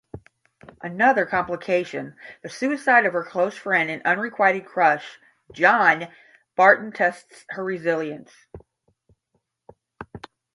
Another complication-the suicide of her close friend and unrequited crush, John Barton-tests her resilience.